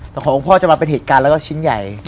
แต่ของพ่อจะมาเป็นเหตุการณ์แล้วก็ชิ้นใหญ่